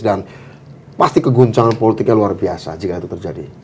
dan pasti keguncangan politiknya luar biasa jika itu terjadi